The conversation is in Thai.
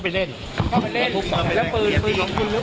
ไปทำแผนจุดเริ่มต้นที่เข้ามาที่บ่อนที่พระราม๓ซอย๖๖เลยนะครับทุกผู้ชมครับ